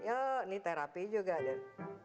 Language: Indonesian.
ini terapi juga deh